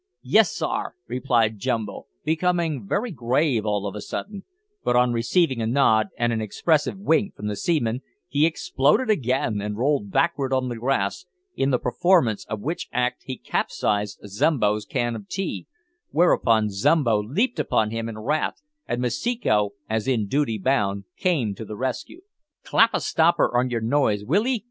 "Yis, saar," replied Jumbo, becoming very grave all of a sudden, but on receiving a nod and an expressive wink from the seaman, he exploded again, and rolled backward on the grass, in the performance of which act he capsized Zombo's can of tea, whereupon Zombo leaped upon him in wrath, and Masiko, as in duty bound, came to the rescue. "Clap a stopper on yer noise, will 'ee?"